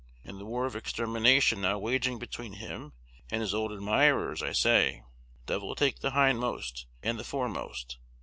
In the war of extermination now waging between him and his old admirers, I say, Devil take the hindmost and the foremost.